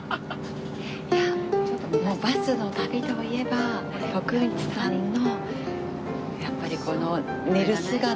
『バスの旅』といえば徳光さんのやっぱりこの寝る姿。